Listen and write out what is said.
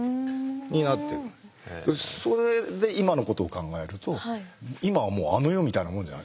それで今のことを考えると今はもうあの世みたいなもんじゃない。